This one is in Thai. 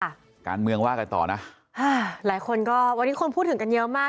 การเมืองว่ากันต่อนะค่ะหลายคนก็วันนี้คนพูดถึงกันเยอะมาก